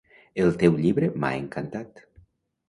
El teu llibre m'ha encantat.